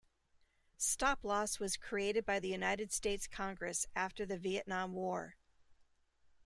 Stop-loss was created by the United States Congress after the Vietnam War.